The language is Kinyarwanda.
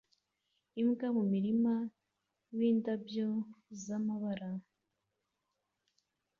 Imbwa mu murima windabyo zamabara